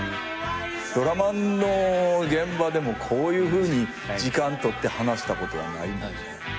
ドラマの現場でもこういうふうに時間取って話したことはないもんね。